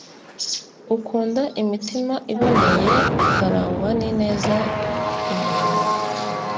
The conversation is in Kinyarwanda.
ukunda imitima iboneye akarangwa n'ineza ku munwa